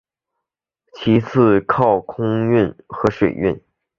其次是依靠空运和水运。